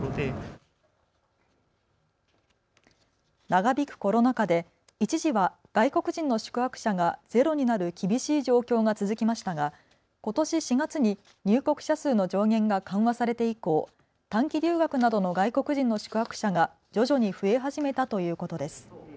長引くコロナ禍で一時は外国人の宿泊者がゼロになる厳しい状況が続きましたが、ことし４月に入国者数の上限が緩和されて以降、短期留学などの外国人の宿泊者が徐々に増え始めたということです。